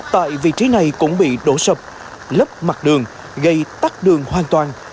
tại vị trí này cũng bị đổ sập lấp mặt đường gây tắt đường hoàn toàn